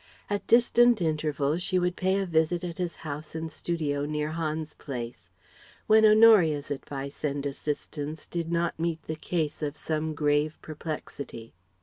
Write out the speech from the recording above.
At distant intervals she would pay him a visit at his house and studio near Hans Place; when Honoria's advice and assistance did not meet the case of some grave perplexity.